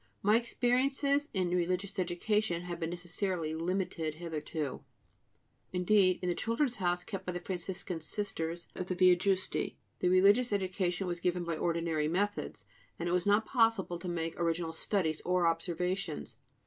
My experiences in religious education have necessarily been limited hitherto; indeed, in the Children's House kept by the Franciscan Sisters of the Via Giusti the religious education was given by the ordinary methods, and it was not possible to make original studies or observations.